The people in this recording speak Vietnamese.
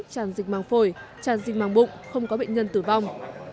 tràn dịch màng phổi tràn dịch màng bụng không có bệnh nhân tử vong